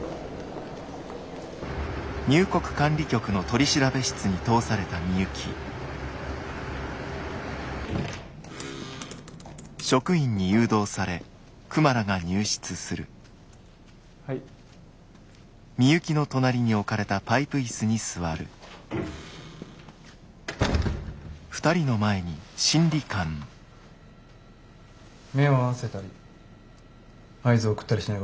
目を合わせたり合図を送ったりしないこと。